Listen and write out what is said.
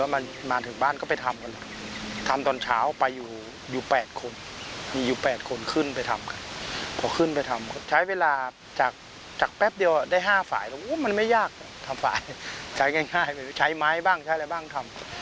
มันไม่ยากทำฝ่ายใช้ง่ายใช้ไม้บ้างใช้อะไรบ้างทำ